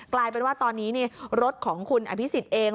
กลายเป็นว่าตอนนี้รถของคุณอภิษฎเอง